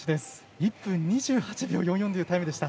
１分２８秒４４というタイムでした。